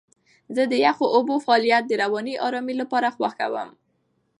زه د یخو اوبو فعالیت د رواني آرامۍ لپاره خوښوم.